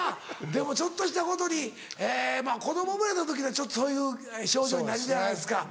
でもちょっとしたことに子供生まれた時はそういう症状になるじゃないですか。